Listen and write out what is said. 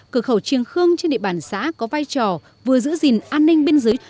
cửa khẩu triềng khương trên địa bàn xã có vai trò vừa giữ gìn an ninh biên giới